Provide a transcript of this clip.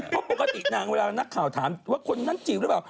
เพราะปกตินางเวลานักข่าวถามว่าคนนั้นจีบหรือเปล่า